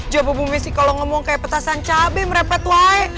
jawab bu messi kalo ngomong kayak petasan cabai merepet wae